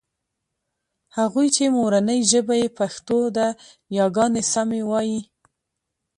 هغوی چې مورنۍ ژبه يې پښتو ده یاګانې سمې وايي